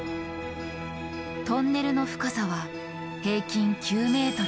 トンネルの深さは平均９ｍ。